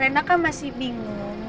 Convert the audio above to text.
rena kan masih bingung